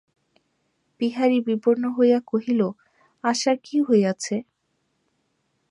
বিহারী বিবর্ণ হইয়া কহিল, আশার কী হইয়াছে।